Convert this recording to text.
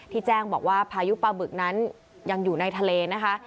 แจ้งบอกว่าพายุปลาบึกนั้นยังอยู่ในทะเลนะคะ